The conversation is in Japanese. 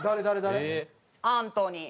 アントニー。